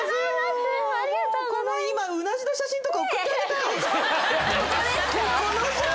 ありがとうございます！